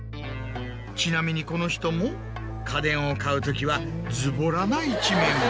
ちなみにこの人も家電を買うときはズボラな一面が。